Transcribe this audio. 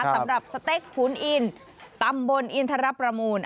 สำหรับสเต็กคุณอินตำบลอินทรประมูล